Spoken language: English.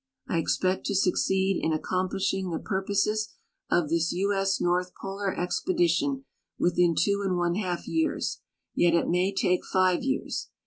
I e.xpect to suc(!eed in accomplishing the ])urposes of this II. S. North Polar Expedition within two and one half years, yet it may take live years.